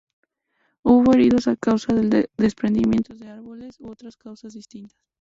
Hubo heridos a causa de desprendimientos de árboles, u otras causas distintas.